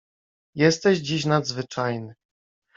"Jesteś dziś nadzwyczajny."